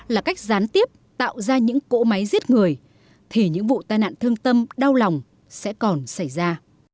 là cách gián tiếp tạo ra những cỗ máy giết người thì những vụ tai nạn thương tâm đau lòng sẽ còn xảy ra